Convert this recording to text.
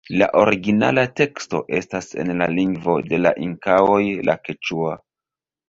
La originala teksto estas en la lingvo de la Inkaoj la keĉua.